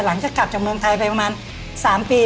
หลังจากกลับจากเมืองไทยไปประมาณ๓ปี